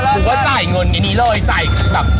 ผมก็จ่ายเงินอย่างนี้เลยจ่ายแบบ